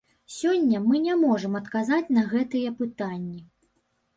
Сёння мы не можам адказаць на гэтыя пытанні.